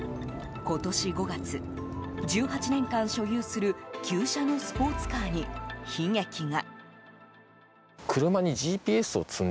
今年５月、１８年間所有する旧車のスポーツカーに悲劇が。